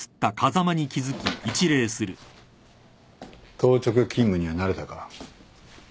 当直勤務には慣れたか？